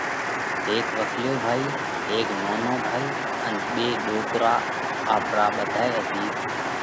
هيڪ وسليو ڀائِي، هيڪ نونو ڀائِي ان ٻي ڏوڪرا آپرا ٻڌائِي عزِيز،